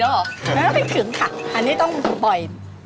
มันน่าจะไปถึงค่ะอันนี้ต้องเปลี่ยนบ่อยมาก